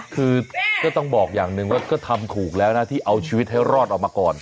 คือก็ต้องบอกอย่างหนึ่งว่าก็ทำถูกแล้วนะที่เอาชีวิตให้รอดออกมาก่อน